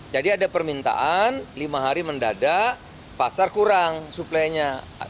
jadi ada permintaan lima hari mendadak pasar kurang suplainya